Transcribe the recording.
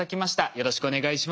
よろしくお願いします。